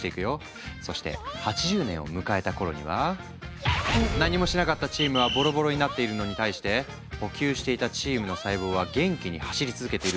そして８０年を迎えた頃には何もしなかったチームはボロボロになっているのに対して補給していたチームの細胞は元気に走り続けているし